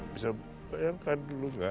bisa bayangkan dulu gak ada pecah